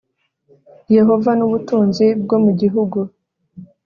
Yehova n ubutunzi bwo mu gihugu